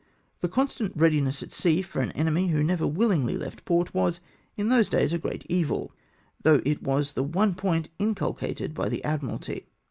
The constant readiness at sea for an enemy who never wiUingly left port, was, in those days, a great evil, though it was the one point inculcated by tlie Admiralty.